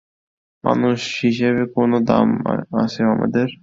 মানুষ হিসেবে কোনো দাম আছে আমাদের?